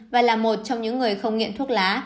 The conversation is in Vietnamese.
và là một trong những người không nghiện thuốc lá